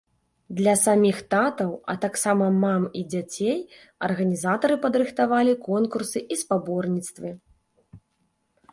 Для саміх татаў, а таксама мам і дзяцей арганізатары падрыхтавалі конкурсы і спаборніцтвы.